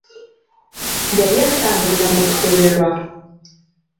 Yali atambulira mu kusoberwa.